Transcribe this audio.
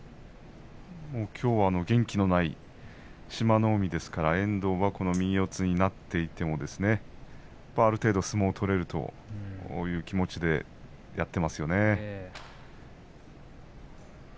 きょうは元気のない志摩ノ海ですから遠藤は右四つになっていてもある程度、相撲を取れるという気持ちでやっていますよね。